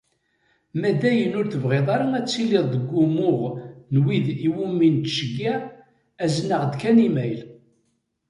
Ma dayen ur tebɣiḍ ara ad tiliḍ deg umuɣ n wid iwumi nettceyyiε, azen-aɣ-d kan imayl.